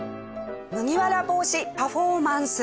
麦わら帽子パフォーマンス。